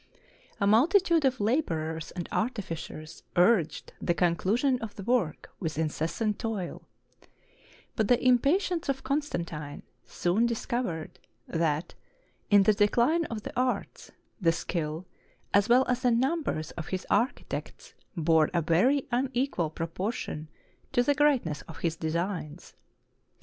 A multitude of laborers and artificers urged the conclusion of the work with incessant toil: but the impatience of Constantine soon discovered that, in the decline of the arts, the skill as well as the numbers of his architects bore a very unequal proportion to the great ness of his designs.